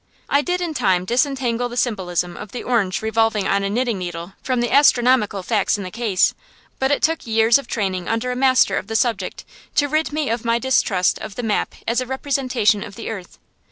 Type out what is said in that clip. I did in time disentangle the symbolism of the orange revolving on a knitting needle from the astronomical facts in the case, but it took years of training under a master of the subject to rid me of my distrust of the map as a representation of the earth.